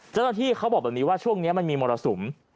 เจ้าหน้าที่เขาบอกแบบนี้ว่าช่วงนี้มันมีมรสุม